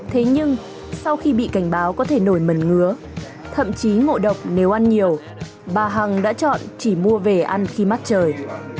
thế nhưng sau khi bị cảnh báo có thể nổi mẩn ngứa thậm chí ngộ độc nếu ăn nhiều bà hằng đã chọn chỉ mua về ăn khi mắt trời